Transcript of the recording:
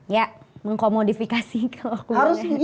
ya mengkomodifikasi kalo aku ngomongin